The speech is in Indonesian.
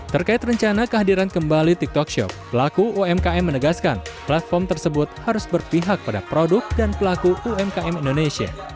terkait rencana kehadiran kembali tiktok shop pelaku umkm menegaskan platform tersebut harus berpihak pada produk dan pelaku umkm indonesia